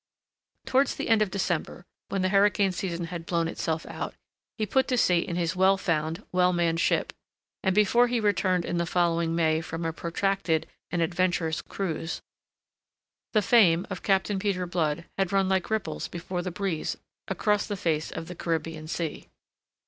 Towards the end of December, when the hurricane season had blown itself out, he put to sea in his well found, well manned ship, and before he returned in the following May from a protracted and adventurous cruise, the fame of Captain Peter Blood had run like ripples before the breeze across the face of the Caribbean Sea.